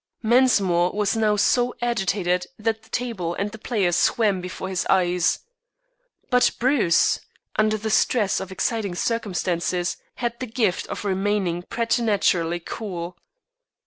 Mensmore was now so agitated that the table and the players swam before his eyes. But Bruce, under the stress of exciting circumstances, had the gift of remaining preternaturally cool.